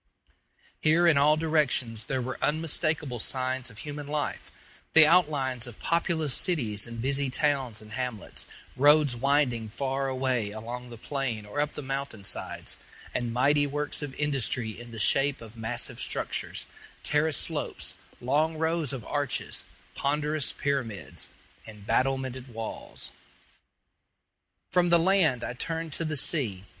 Here in all directions there were unmistakable signs of human life the outlines of populous cities and busy towns and hamlets; roads winding far away along the plain or up the mountain sides, and mighty works of industry in the shape of massive structures, terraced slopes, long rows of arches, ponderous pyramids, and battlemented walls. From the land I turned to the sea.